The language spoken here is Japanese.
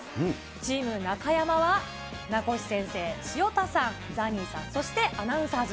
チーム中山は名越先生、潮田さん、ザニーさん、そしてアナウンサーズ。